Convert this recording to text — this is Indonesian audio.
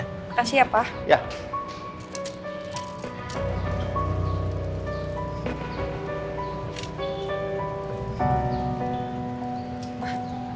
makasih ya pa